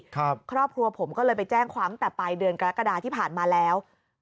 ครอบครัวผมก็เลยไปแจ้งความตั้งแต่ปลายเดือนกรกฎาที่ผ่านมาแล้ว